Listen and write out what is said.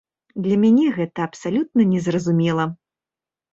Для мяне гэта абсалютна не зразумела.